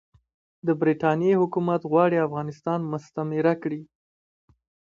د برټانیې حکومت غواړي افغانستان مستعمره کړي.